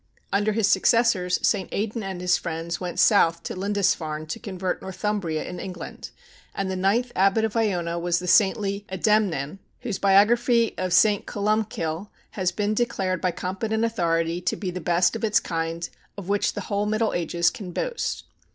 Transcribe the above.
Under his successors, St. Aidan and his friends went south to Lindisfarne to convert Northumbria in England; and the ninth abbot of Iona was the saintly Adamnan, whose biography of St. Columcille has been declared by competent authority to be the best of its kind of which the whole Middle Ages can boast.